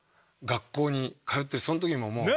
学校に通ってるその時ももう。